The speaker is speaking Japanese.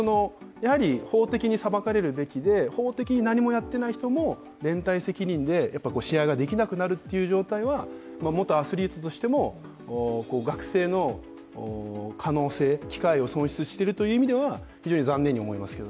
法的に裁かれるべきで法的に何もやっていない人も連帯責任で試合ができなくなるという状態は元アスリートとしても、学生の可能性、機会を損失しているという意味では非常に残念に思います。